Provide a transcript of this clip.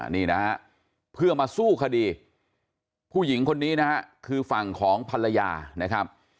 นี่นะฮะเพื่อมาสู้คดีผู้หญิงคนนี้นะฮะคือฝั่งของภรรยานะครับ